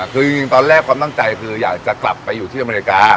คือจริงตอนแรกความตั้งใจคืออยากจะกลับไปอยู่ที่อเมริกา